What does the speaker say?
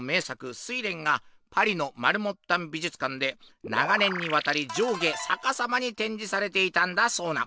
「睡蓮」がパリのマルモッタン美術館で長年にわたり上下逆さまに展示されていたんだそうな！